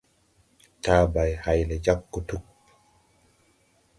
Tàabay hay lɛ jag gutug.